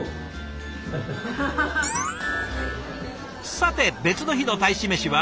さて別の日の大使メシは？